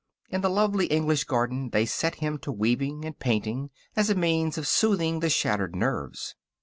In the lovely English garden they set him to weaving and painting as a means of soothing the shattered nerves.